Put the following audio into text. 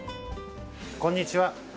こんにちは。